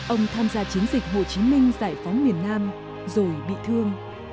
ông tham gia chiến dịch hồ chí minh giải phóng miền nam rồi bị thương